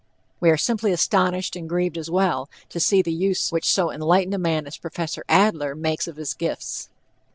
We are simply astonished, and grieved as well, to see the use which so enlightened a man as Prof. Adler makes of his gifts.